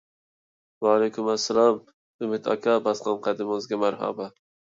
ۋەئەلەيكۇم ئەسسالام ئۈمىد ئاكا، باسقان قەدىمىڭىزگە مەرھابا!